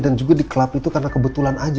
dan juga di klub itu karena kebetulan aja